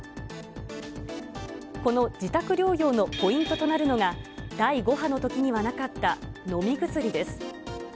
この自宅療養のポイントとなるのが、第５波のときにはなかった飲み薬です。